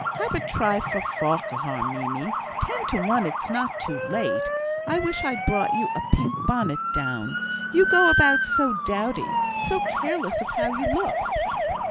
Have a try for Farquhar, Mimie! Ten to one it's not too late. I wish I'd brought you a pink bonnet down. You go about so dowdy so careless of how you look."